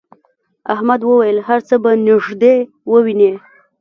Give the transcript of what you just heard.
احمد وویل هر څه به نږدې ووینې.